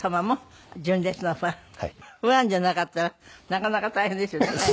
ファンじゃなかったらなかなか大変ですよね。